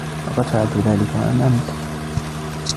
لقد فعلت ذلك عن عمد!